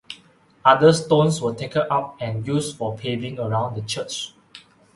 Other stones were taken up and used for paving around the church.